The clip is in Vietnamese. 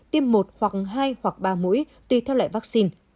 tiêm một hoặc hai hoặc ba mũi tùy theo loại vắc xin